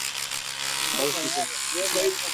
was kumi na tano Hadi ishirini na mbili